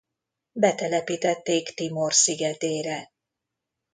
Betelepítették Timor szigetére.